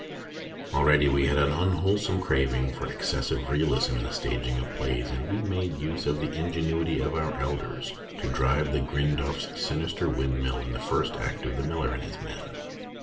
Already we had an unwholesome craving for excessive realism in the staging of plays, and we made use of the ingenuity of our elders to drive Grindoff s sinister windmill in the first act of "The Miller and his Men."